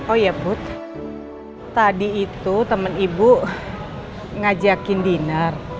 oh iya bud tadi itu temen ibu ngajakin diner